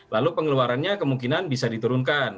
lalu pengeluarannya kemungkinan bisa diturunkan